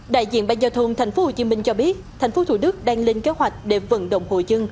đại diện ban giao thông thành phố hồ chí minh cho biết thành phố thủ đức đang lên kế hoạch để vận động hội dân